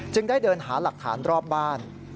ได้เดินหาหลักฐานรอบบ้าน